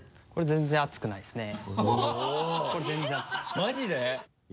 全然熱くないですね。